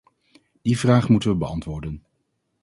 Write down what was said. Die vraag moeten we beantwoorden.